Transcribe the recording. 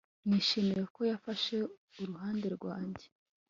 Nishimiye ko yafashe uruhande rwanjye